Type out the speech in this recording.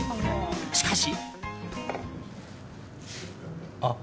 しかし。